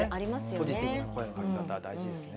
ポジティブな声のかけ方大事ですね。